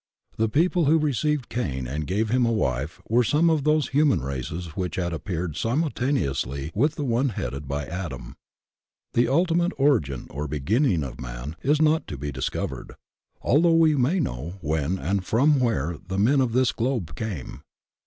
The people who received Cain and gave him a wife were some of those human races which had appeared simultaneously with the one headed by Adam. The ultimate origin or beginning of man is not to be discovered, although we may know when and from where the men of this globe came.